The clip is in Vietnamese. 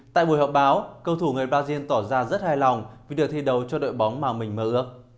tại buổi họp báo cầu thủ người brazil tỏ ra rất hài lòng vì được thi đấu cho đội bóng mà mình mơ ước